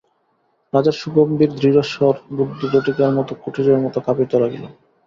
রাজার সুগম্ভীর দৃঢ় স্বর রুদ্ধ ঝটিকার মতো কুটিরের মধ্যে কাঁপিতে লাগিল।